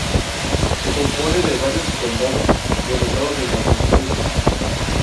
Se compone de varios condados del estado de Massachusetts.